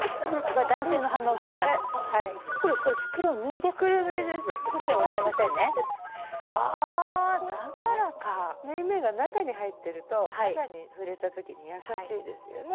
縫い目が中に入ってると肌に触れた時に優しいですよね。